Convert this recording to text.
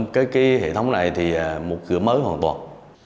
thì hệ thống này là một cửa mới hoàn toàn